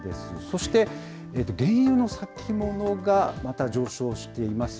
そして、原油の先物がまた上昇しています。